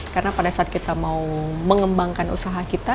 karena pada saat kita mau mengembangkan usaha kita